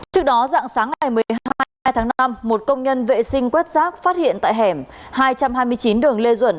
trước đó dạng sáng ngày một mươi hai tháng năm một công nhân vệ sinh quét rác phát hiện tại hẻm hai trăm hai mươi chín đường lê duẩn